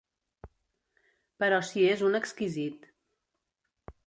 Però si és un exquisit.